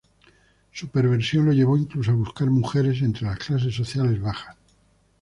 Su perversión lo llevó incluso a buscar mujeres entre las clases sociales bajas.